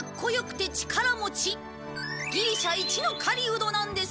ギリシャ一の狩人なんです。